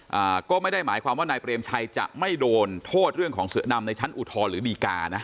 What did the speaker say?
อ่าก็ไม่ได้หมายความว่านายเปรมชัยจะไม่โดนโทษเรื่องของเสือดำในชั้นอุทธรณ์หรือดีกานะ